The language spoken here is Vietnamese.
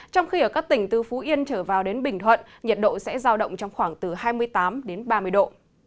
trong khi ở các tỉnh từ phú yên trở vào đến bình thuận nhiệt độ sẽ giao động trong khoảng từ hai mươi tám đến ba mươi độ